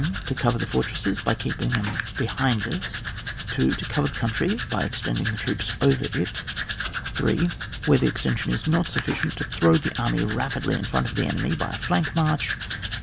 To cover the fortresses by keeping them behind us. 2. To cover the country by extending the troops over it. 3. Where the extension is not sufficient, to throw the army rapidly in firont of the enemy by a flank march.